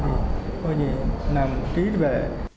thì coi như làm ký về